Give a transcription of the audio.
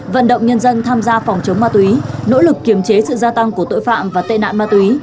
vận động nhân dân tham gia phòng chống ma túy nỗ lực kiềm chế sự gia tăng của tội phạm và tệ nạn ma túy